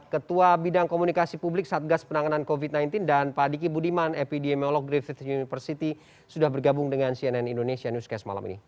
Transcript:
ketua bidang komunikasi publik satgas penanganan covid sembilan belas dan pak diki budiman epidemiolog griffith university sudah bergabung dengan cnn indonesia newscast malam ini